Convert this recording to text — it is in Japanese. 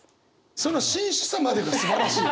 その真摯さまでがすばらしい。